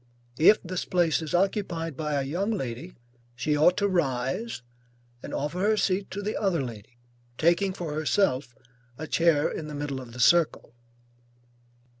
If this place is occupied by a young lady, she ought to rise and offer her seat to the other lady, taking for herself a chair in the middle of the circle.